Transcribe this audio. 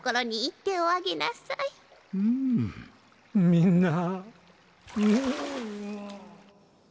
みんな。